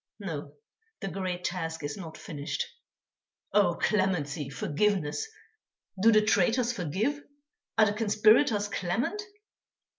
No, the great task is not finished. Oh! clemency, forgiveness! Do the traitors forgive? Are the conspirators clement?